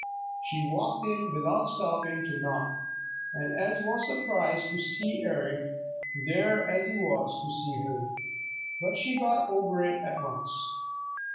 She walked in without stopping to knock and was as surprised to see Eric there as he was to see her. But she got over it at once.